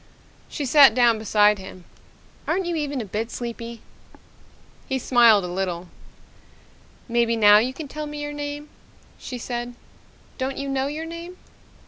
She sat down beside him. "Aren't you even a bit sleepy?" He smiled a little. "Maybe now you can tell me your name," she said. "Don't you know your name?"